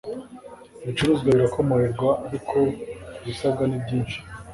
ibicuruzwa birakomorerwa ariko ibisabwa ni byinshi